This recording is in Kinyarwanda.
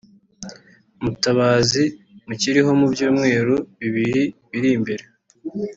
mutazaba mukiriho mu byumweru bibiri biri imbere